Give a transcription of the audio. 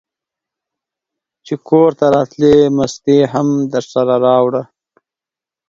چې کورته راتلې مستې هم درسره راوړه!